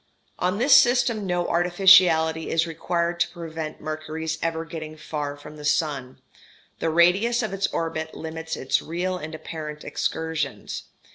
] On this system no artificiality is required to prevent Mercury's ever getting far from the sun: the radius of its orbit limits its real and apparent excursions.